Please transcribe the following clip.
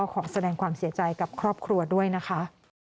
ขอแสดงความเสียใจกับครอบครัวด้วยนะคะ